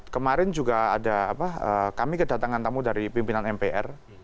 kemarin juga ada kami kedatangan tamu dari pimpinan mpr